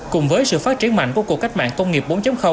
cùng với sự phát triển mạnh của cuộc cách mạng công nghiệp bốn